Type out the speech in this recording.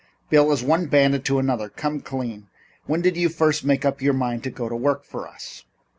"Bill, as one bandit to another come clean. When did you first make up your mind to go to work for us?"